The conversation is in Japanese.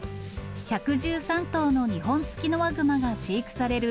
１１３頭のニホンツキノワグマが飼育される